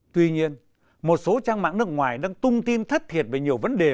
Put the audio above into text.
tuy nhiên một số trang mạng nước ngoài đang tung tin thất thiệt về nhiều vấn đề